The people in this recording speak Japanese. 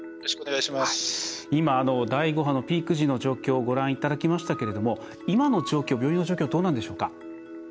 今、第５波のピーク時の状況をご覧いただきましたけれども今の病院の状況、どうなんでしょうか。